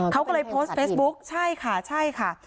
เขาก็เลยโพสต์เฟซบุ๊คใช่ค่ะใช่ค่ะ